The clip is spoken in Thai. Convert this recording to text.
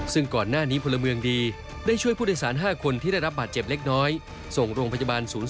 ซึ่งก่อนหน้านี้ผู้ละเมืองดีได้ช่วยผู้ใดสาร๕คนที่ได้รับบาตเจ็บเล็กน้อย